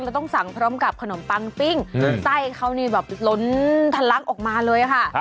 แล้วต้องสั่งพร้อมกับขนมปังปิ้งไส้เขานี่แบบล้นทะลักออกมาเลยค่ะ